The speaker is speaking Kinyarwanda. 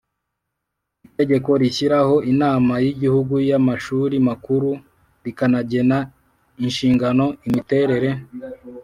Itegeko rishyiraho Inama y Igihugu y Amashuri Makuru rikanagena inshingano imiterere